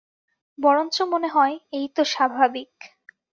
বরঞ্চ মনে হয়, এই তো স্বাভাবিক।